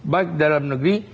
baik di dalam negeri